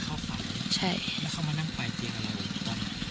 เข้าฝันใช่แล้วเขามานั่งปลายเตียงอะไรผมตอนนั้น